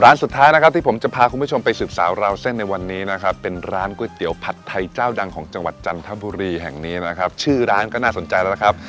ร้านสุดท้ายนะครับที่ผมจะพาคุณผู้ชมไปสืบสาวราวเส้นในวันนี้นะครับเป็นร้านก๋วยเตี๋ยวผัดไทยเจ้าดังของจังหวัดจันทบุรีแห่งนี้นะครับชื่อร้านก็น่าสนใจแล้วนะครับ